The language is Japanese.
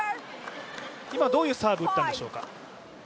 今、どういうサーブを打ったんでしょうか？